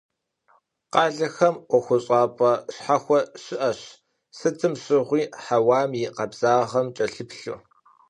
Къалэхэм ӀуэхущӀапӀэ щхьэхуэ щыӀэщ, сытым щыгъуи хьэуам и къабзагъэм кӀэлъыплъу.